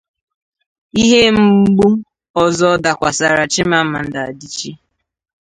ihe mgbu ọzọ dakwasara Chimamanda Adịchie